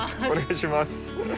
お願いします。